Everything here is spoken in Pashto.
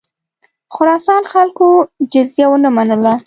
خراسان خلکو جزیه ونه منله.